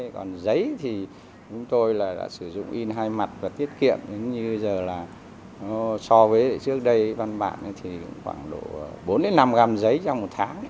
còn giấy thì chúng tôi đã sử dụng in hai mặt và tiết kiệm như bây giờ là so với trước đây văn bản thì khoảng độ bốn năm gram giấy trong một tháng